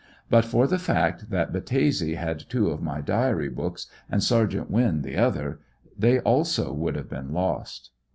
But for the fact that Battese had two of my diary books and Sergt. Winn the other, they also would have been lost.